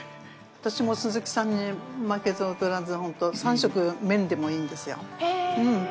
私も鈴木さんに負けず劣らず三食麺でもいいんですよ。